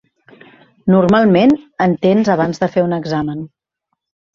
Normalment, en tens abans de fer un examen.